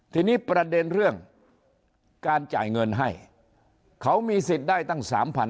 ทีนี้ประเด็นเรื่องการจ่ายเงินให้เขามีสิทธิ์ได้ตั้ง๓๐๐๐